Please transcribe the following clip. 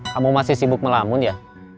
kamu masih sibuk melamun ya